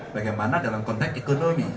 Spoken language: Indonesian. bagaimana dalam konteks ekonomi